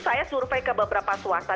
saya survei ke beberapa swasta